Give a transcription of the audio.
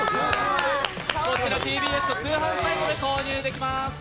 こちらＴＢＳ通販サイトで購入できます。